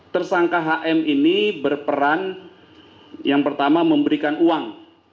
tersangka hm ini berperan yang pertama memberikan uang